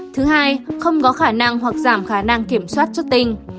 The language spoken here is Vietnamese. thứ hai không có khả năng hoặc giảm khả năng kiểm soát chất tinh